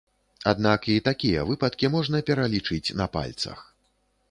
Аднак і такія выпадкі можна пералічыць на пальцах.